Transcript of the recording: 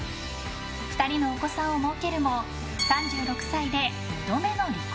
２人のお子さんをもうけるも３６歳で２度目の離婚。